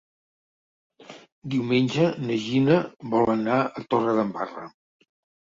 Diumenge na Gina vol anar a Torredembarra.